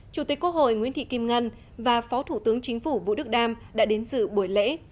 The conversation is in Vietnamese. chủ tịch quốc hội nguyễn thị kim ngân và phó thủ tướng chính phủ vũ đức đam đã đến dự buổi lễ